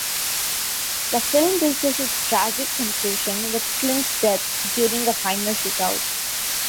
The film reaches its tragic conclusion with Clint's death during a final shootout.